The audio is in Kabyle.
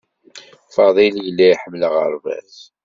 Fadil yella iḥemmel aɣerbaz.